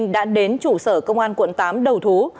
đã đến trụ sở công an quận tám đầu thú